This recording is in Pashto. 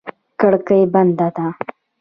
کړکۍ بنده ده.